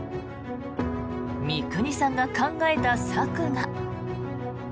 三國さんが考えた策が。